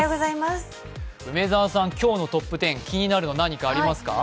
梅澤さん、今日のトップ１０何か気になるものはありますか？